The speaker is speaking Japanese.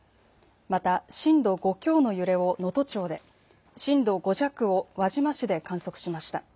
また震度５強の揺れを能登町で震度５弱を輪島市で観測しました。